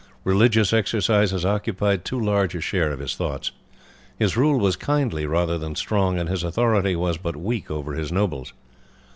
Religious exercises occupied too large a share of his thoughts. His rule was kindly rather than strong, and his authority was but weak over his nobles.